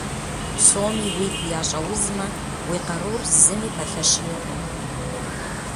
Псоми уигу ящӏэузмэ, уи къарур зыми пэлъэщынукъым.